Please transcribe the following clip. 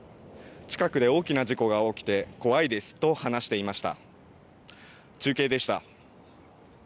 近くで大きな事故が起きて怖いですと話していました。